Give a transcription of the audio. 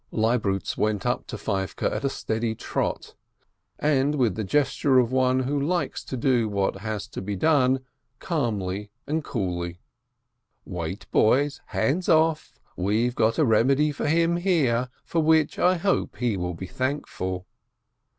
Leibnitz went up to Feivke at a steady trot and with the gesture of one who likes to do what has to be done calmly and coolly. "Wait, boys! Hands off! We've got a remedy for him here, for which I hope he will be thankful."